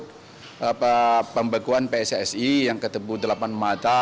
ada pembekuan pssi yang ketemu delapan mata